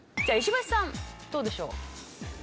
じゃあ石橋さんどうでしょう？